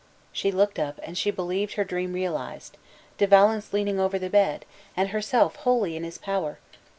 She looked up, and she believed her dream realized De Valence leaning over the bed, and herself wholly in his power!